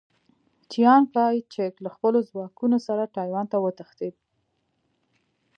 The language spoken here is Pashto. چیانکایچک له خپلو ځواکونو سره ټایوان ته وتښتېد.